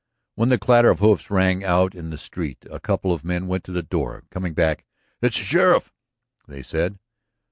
When the clatter of hoofs rang out in the street a couple of men went to the door. Coming back, "It is the sheriff," they said.